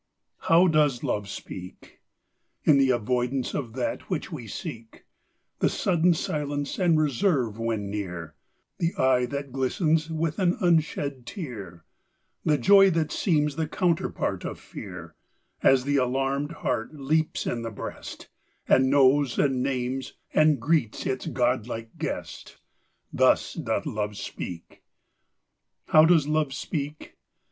How does Love speak? In the avoidance of that which we seek The sudden silence and reserve when near The eye that glistens with an unshed tear The joy that seems the counterpart of fear, As the alarmed heart leaps in the breast, And knows and names and greets its godlike guest Thus doth Love speak. How does Love speak?